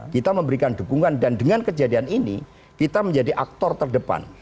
kita memberikan dukungan dan dengan kejadian ini kita menjadi aktor terdepan